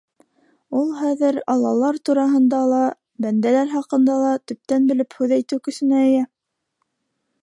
Ул хәҙер аллалар тураһында ла, бәндәләр хаҡында ла төптән белеп һүҙ әйтеү көсөнә эйә.